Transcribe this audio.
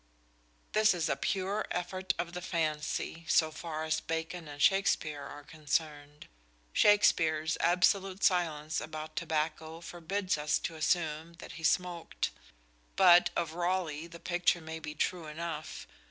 '" This is a pure "effort of the fancy" so far as Bacon and Shakespeare are concerned. Shakespeare's absolute silence about tobacco forbids us to assume that he smoked; but of Raleigh the picture may be true enough.